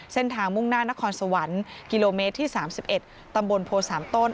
เส้นทางมุ่งหน้านครสวรรค์กิโลเมตรที่๓๑ตำบลโพ๓ต้น